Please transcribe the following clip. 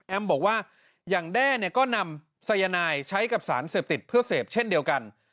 บอกว่าอย่างแด้ก็นำสายนายใช้กับสารเสพติดเพื่อเสพเช่นเดียวกัน